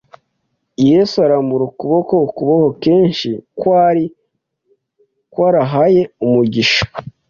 Yesu arambura ukuboko, ukuboko kenshi kwari kwarahaye umugisha